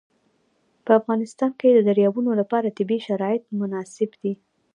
په افغانستان کې د دریابونه لپاره طبیعي شرایط مناسب دي.